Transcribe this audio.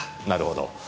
なるほど。